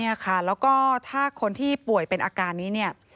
เนี่ยค่ะแล้วก็ถ้าคนที่ป่วยเป็นอาการนี้เนี่ย